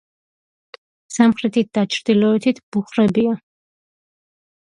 სამხრეთით და ჩრდილოეთით ბუხრებია.